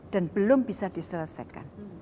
dan belum bisa diselesaikan